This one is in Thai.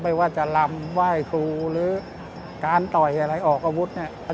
ไม่ว่าจะลำไหว้ครูหรือการต่อยอะไรออกอาวุธเนี่ย